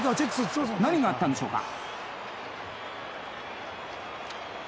何があったんでしょうか？